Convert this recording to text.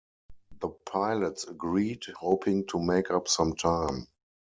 The pilots agreed, hoping to make up some time.